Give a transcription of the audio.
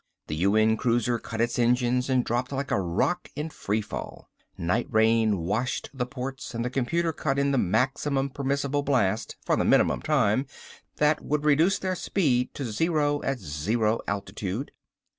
The UN cruiser cut its engines and dropped like a rock in free fall. Night rain washed the ports and the computer cut in the maximum permissible blast for the minimum time that would reduce their speed to zero at zero altitude.